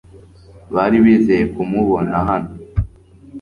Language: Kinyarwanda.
bari bizeye kumubona hano